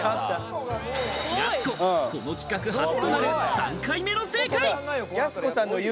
やす子、この企画初となる３回目の正解。